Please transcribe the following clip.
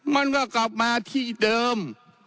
มันก็กลับมาที่เดิม